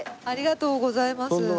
ありがとうございます。